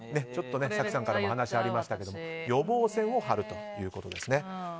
早紀さんからも話がありましたけども予防線を張るということですね。